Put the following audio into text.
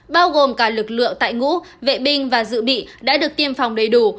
bao gồm cả lực lượng tại ngũ vệ binh và dự bị đã được tiêm phòng đầy đủ